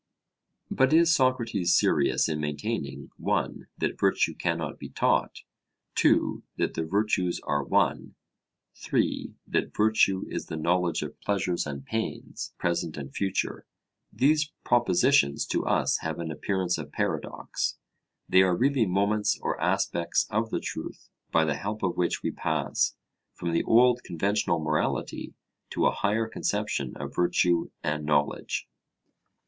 But is Socrates serious in maintaining (1) that virtue cannot be taught; (2) that the virtues are one; (3) that virtue is the knowledge of pleasures and pains present and future? These propositions to us have an appearance of paradox they are really moments or aspects of the truth by the help of which we pass from the old conventional morality to a higher conception of virtue and knowledge.